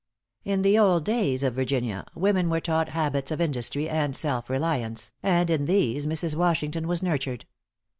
In the old days of Virginia, women were taught habits of industry and self reliance, and in these Mrs. Washington was nurtured.